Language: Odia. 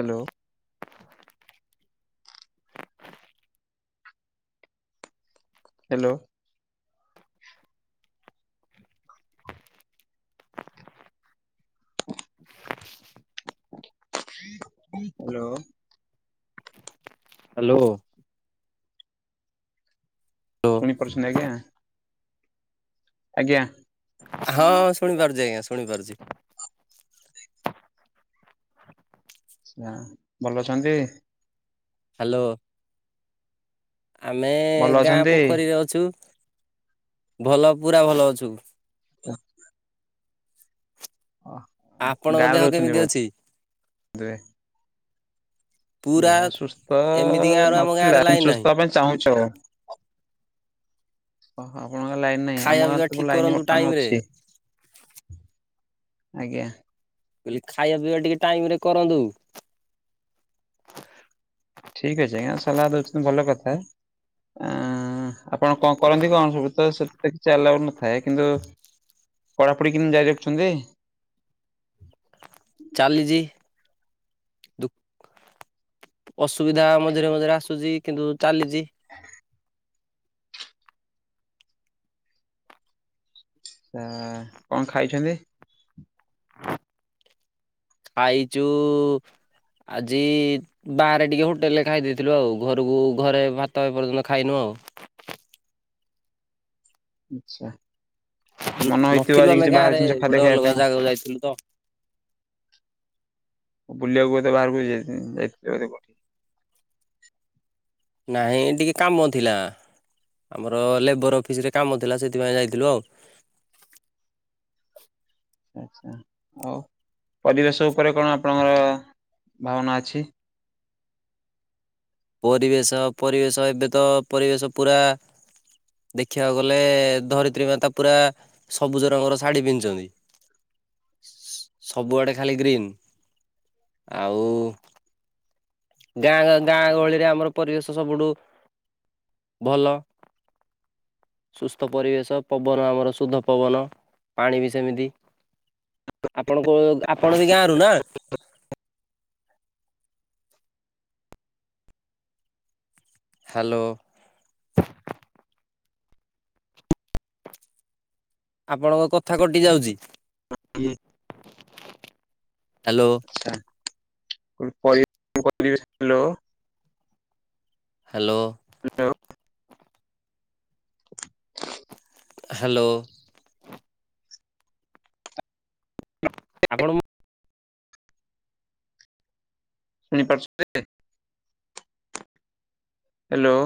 ହେଲୋ। ହେଲୋ। ହାଲୋ। ହାଲୋ। ଶୁଣି ପାରୁଛନ୍ତି ଆଜ୍ଞା। ହଁ ଶୁଣିପାରୁଚି ଆଜ୍ଞା, ଶୁଣିପାରୁଚି। ଭଲ ଅଛନ୍ତି? ହାଲୋ। ଭଲ ଅଛନ୍ତି? ଭଲ ପୁରା ଭଲ ଅଛୁ। [inaudible] ଆପଣଙ୍କ ଦେହ ଗାଁରେ କେମିତି ରହୁଚନ୍ତି ଅଛି? ବୋଧହୁଏ। ପୁରା ଦେହ ସୁସ୍ଥ ଏମିତି ଗାଁରୁ ଆମ ଗାଁରେ ନଥିଲା [unintelligible] ଲାଇନ ନାହିଁ ସୁସ୍ଥ ହବା ପାଇଁ ଚାହୁଁଚ। ଓହୋ ଆପଣଙ୍କ ଗାଁରେ ଲାଇନ୍ ନାହିଁ, ଖାଇବା ଆମ ଗାଁରେ ପିଇବା ତ ଠିକ ଲାଇନ୍ କରନ୍ତୁ ଟାଇମ ବର୍ତ୍ତମାନ ରେ। ଅଛି। ଆଜ୍ଞା। ଏଇ ଖାଇବା ପିଇବା ଟିକେ ଟାଇମ୍ ରେ କରନ୍ତୁ। ଠିକ୍ ଅଛି ଆଜ୍ଞା, ସଲାହ ଦେଉଛନ୍ତି ଭଲ କଥା ଆଁ ଆପଣ କଣ କରନ୍ତି କଣ ସବୁ ତ ସେ [unintelligible] ଆଲାଉ ନଥାଏ, କିନ୍ତୁ ପଢାପଢି [unintelligible] ଜାରି ରଖିଚନ୍ତି? ଚାଲିଚି ଦୁଃ ଅସୁବିଧା ମଝିରେ-ମଝିରେ ଆସୁଚି କିନ୍ତୁ ଚାଲିଚି। କଣ ଖାଇଛନ୍ତି? ଖାଇଚୁ ଆଜି ବାହାରେ ଟିକେ ହୋଟେଲ୍ ରେ ଖାଇ ଦେଇଥିଲୁ, ଆଉ ଘରକୁ ଘରେ ଭାତ ଏପର୍ଯ୍ୟନ୍ତ ଖାଇନୁ ଆଉ। ମନ ହେଇଥିବ ନଥିଲୁ ଆଜି ଆମେ କିଛି ଗାଁରେ ବାହାରେ ଜିନିଷ ଗୋଟେ ଖାଦ୍ୟ ଖାଇବା ଅଲଗା ପାଇଁ। ଜାଗାକୁ ଯାଇଥିଲୁ ତ ବୁଲିଆକୁ ବୋଧେ ବାହାରକୁ [inaudible] ନାଇଁ ଏଇ ଟିକେ କାମ ଥିଲା ଆମର ଲେବର ଅଫିସରେ କାମ ଥିଲା, ସେଥିପାଇଁ ଯାଇଥିଲୁ ଆଉ। ପରିବେଶ ଉପରେ କଣ ଆପଣଙ୍କର ଭାବନା ଅଛି? ପରିବେଶ-ପରିବେଶ ଏବେ ତ ପରିବେଶ ପୁରା ଦେଖିବାକୁ ଗଲେ ଧରିତ୍ରୀ ମାତା ପୁରା ସବୁଜ ରଙ୍ଗର ଶାଢ଼ୀ ପିନ୍ଧିଚନ୍ତି। ସବୁଆଡେ ଖାଲି ଗ୍ରୀନ୍, ଆଉ ଗାଁ-ଗାଁ ଗହଳିରେ ଆମର ପରିବେଶ ସବୁଠୁ ଭଲ। ସୁସ୍ଥ ପରିବେଶ, ପବନ ଆମର ଶୁଦ୍ଧ ପବନ, ପାଣି ବି ସେମିତି। ଆପଣଙ୍କ ଆପଣ ବି ଗାଁରୁ ନା? ହାଲୋ। ଆପଣଙ୍କ କଥା କଟି ଯାଉଚି। [unintelligible] ହାଲୋ। [unintelligible] [inaudible] ହାଲୋ। [unintelligible] ହାଲୋ। ଆପଣ [unintelligible] ଶୁଣିପାରୁଚନ୍ତି? ହାଲୋ।